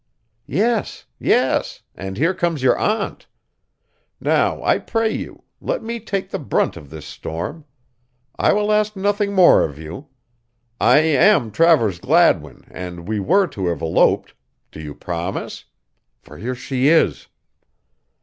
"Yes, yes, and here comes your aunt. Now, I pray you, let me take the brunt of this storm. I will ask nothing more of you. I am Travers Gladwin and we were to have eloped do you promise? For here she is."